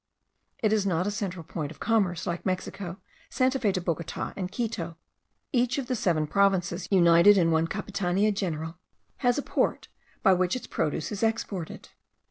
It is not a central point of commerce, like Mexico, Santa Fe de Bogota, and Quito. Each of the seven provinces united in one capitania general has a port, by which its produce is exported.